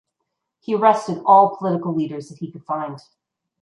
He arrested all political leaders that he could find.